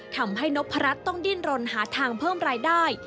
ทำให้นพรัชต้องดิ้นรนหาทางเพิ่มรายได้